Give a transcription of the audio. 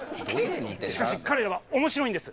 しかし彼らは面白いんです！